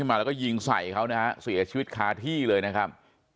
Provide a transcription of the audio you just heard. มาแล้วก็ยิงใส่เขานะฮะเสียชีวิตคาที่เลยนะครับ